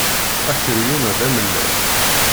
Akeryun-a d amellal.